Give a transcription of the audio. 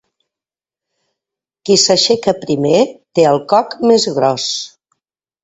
Qui s'aixeca primer té el coc més gros.